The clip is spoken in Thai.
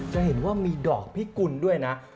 จะเห็นว่ามีดอกพิกุลด้วยนะ